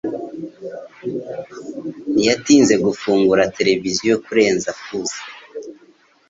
ntiyatinze gufungura televiziyo kurenza fuse